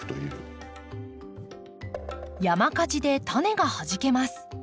山火事でタネがはじけます。